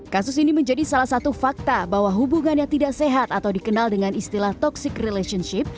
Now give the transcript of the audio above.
kasus ini menjadi salah satu fakta bahwa hubungan yang tidak sehat atau dikenal dengan istilah toxic relationship